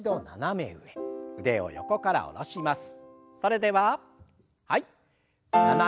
腕を下ろします。